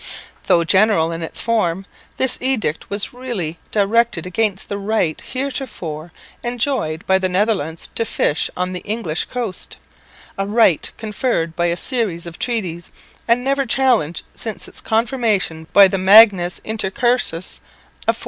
Though general in its form, this edict was really directed against the right heretofore enjoyed by the Netherlanders to fish on the English coast, a right conferred by a series of treaties and never challenged since its confirmation by the Magnus Intercursus of 1496.